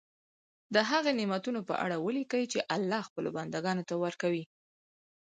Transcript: د هغه نعمتونو په اړه ولیکي چې الله خپلو بندګانو ته ورکوي.